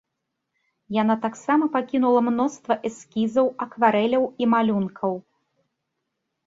Яна таксама пакінула мноства эскізаў, акварэляў і малюнкаў.